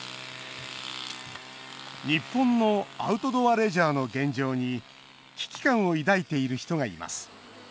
日本のアウトドアレジャーの現状に危機感を抱いている人がいます。